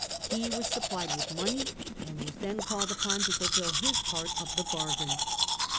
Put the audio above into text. He was supplied with money, and was then called upon to fulfil his part of the bargain.